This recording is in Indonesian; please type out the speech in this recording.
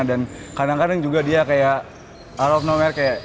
dan kadang kadang juga dia kayak out of nowhere kayak